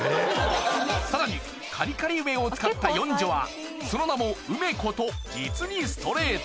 更にカリカリ梅を使った四女はその名もうめこと実にストレート。